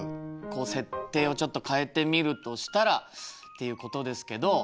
こう設定をちょっと変えてみるとしたらっていうことですけど。